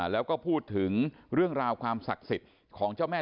แล้วก็พูดถึงเรื่องราวความศักดิ์สิทธิ์ของเจ้าแม่